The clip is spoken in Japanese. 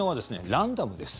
ランダムです。